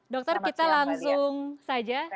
dokter kita langsung saja